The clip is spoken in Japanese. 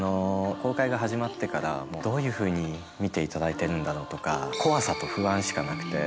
公開が始まってから、もうどういうふうに見ていただいてるんだろうとか、怖さと不安しかなくて。